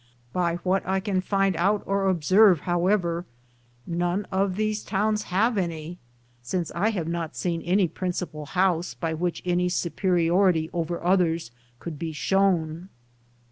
By what I can find out or observe, however, □one of these towns have any, since I have not seen any principal house by which any superiority over others could be shown.